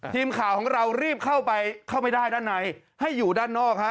ทีมข่าวของเรารีบเข้าไปเข้าไปได้ด้านในให้อยู่ด้านนอกฮะ